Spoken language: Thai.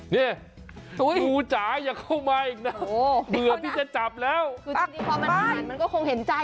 นี่อยู่จามอย่าเข้ามาอีกนะเบื่อพี่จะจับแล้วไปป้ายมันก็คงเห็นใจ